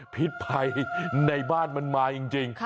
พิษภัยในบ้านมันมาจริง